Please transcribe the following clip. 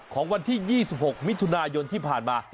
ของวันที่๒๖มิถุนายนที่ผ่านมา